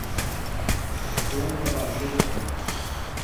Com uma barriga de pão.